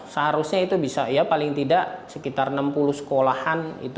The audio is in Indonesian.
seharusnya itu bisa ya paling tidak sekitar enam puluh sekolahan